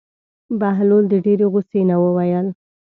بهلول د ډېرې غوسې نه وویل.